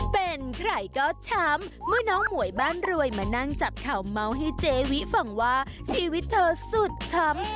เป็นใครก็ช้ำเมื่อน้องหมวยบ้านรวยมานั่งจับข่าวเมาส์ให้เจวิฟังว่าชีวิตเธอสุดช้ำ